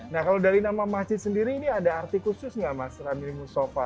nah kalau dari nama masjid sendiri ini ada arti khusus nggak mas ramil mustafa